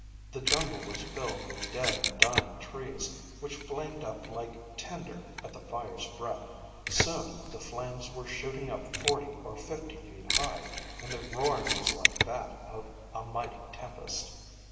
The jungle was filled with dead and dying trees which flamed up like tinder at the fire's breath. Soon the flames were shooting up forty or fifty feet high and the roaring was like that of a mighty tempest.